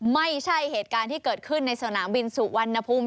ไม่ใช่เหตุการณ์ที่เกิดขึ้นในสนามบินสุวรรณภูมิ